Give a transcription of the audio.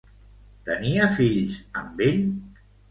Tenia fills amb ell?